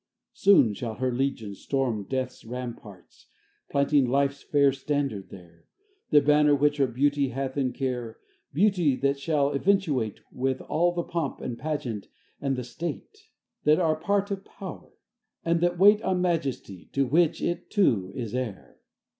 Soon shall her legions storm Death's ramparts, planting Life's fair standard there, The banner which her beauty hath in care, Beauty, that shall eventuate With all the pomp and pageant and the state, That are a part of power, and that wait On majesty, to which it, too, is heir."